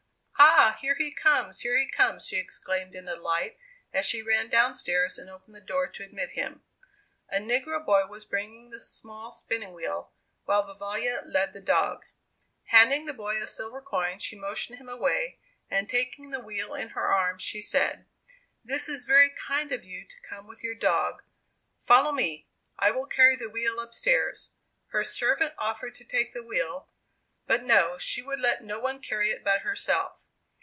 "Ah, here he comes! here he comes!" she exclaimed in delight, as she ran down stairs and opened the door to admit him. A negro boy was bringing the small spinning wheel, while Vivalla led the dog. Handing the boy a silver coin, she motioned him away, and taking the wheel in her arms, she said, "This is very kind of you to come with your dog. Follow me. I will carry the wheel up stairs." Her servant offered to take the wheel, but no, she would let no one carry it but herself.